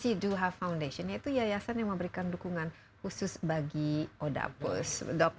dan kami juga memiliki foundation yaitu yayasan yang memberikan dukungan khusus bagi odapus